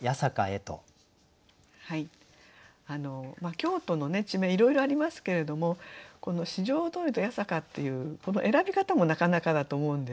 京都の地名いろいろありますけれどもこの「四条通り」と「八坂」っていうこの選び方もなかなかだと思うんですね。